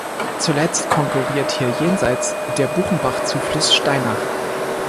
Zuletzt konkurriert hier jenseits der "Buchenbach"-Zufluss Steinach.